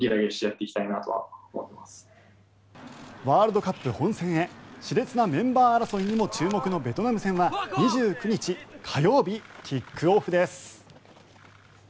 ワールドカップ本戦へ熾烈なメンバー争いにも注目のベトナム戦は２９日火曜日キックオフです。